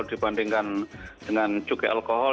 dibandingkan dengan cukai alkohol